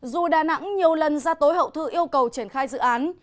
dù đà nẵng nhiều lần ra tối hậu thư yêu cầu triển khai dự án